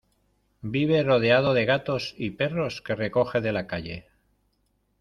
Vive rodeado de gatos y perros que recoge de la calle.